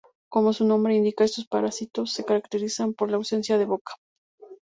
Como su nombre indica, estos parásitos se caracterizan por la ausencia de boca.